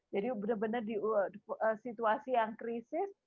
jadi benar benar di situasi yang krisis